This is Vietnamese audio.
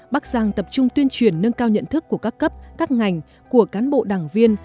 bắc giang tập trung tuyên truyền nâng cao nhận thức của các cấp các ngành của cán bộ đảng viên